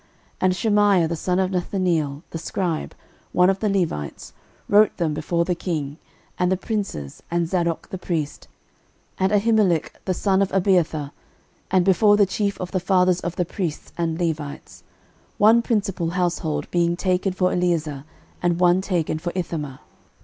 13:024:006 And Shemaiah the son of Nethaneel the scribe, one of the Levites, wrote them before the king, and the princes, and Zadok the priest, and Ahimelech the son of Abiathar, and before the chief of the fathers of the priests and Levites: one principal household being taken for Eleazar, and one taken for Ithamar.